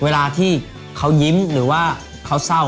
เวลาที่เขายิ้มหรือว่าเขาเศร้า